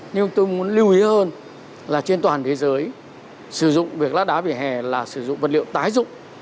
nhưng tôi muốn lưu ý hơn là trên toàn thế giới sử dụng việc lát đá về hè là sử dụng vật liệu tái dụng